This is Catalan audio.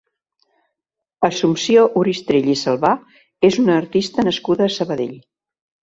Assumpció Oristrell i Salvà és una artista nascuda a Sabadell.